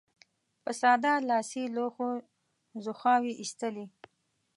په ساده لاسي لوښو ځوښاوې اېستلې.